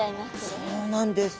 そうなんです。